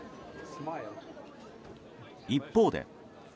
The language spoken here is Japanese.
一方で。